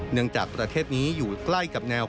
เนื่องจากประเทศนี้อยู่ใกล้กับแนว